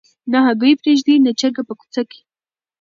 نه هګۍ پرېږدي نه چرګه په کوڅه کي